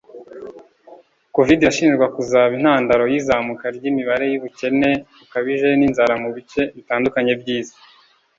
covid- irashinjwa kuzaba intandaro y'izamuka ry'imibare y'ubukene bukabije n'inzara mu bice bitandukanye by'isi